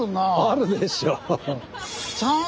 あるでしょう。